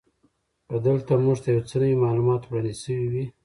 که دلته موږ ته یو څه نوي معلومات وړاندې شوي وی.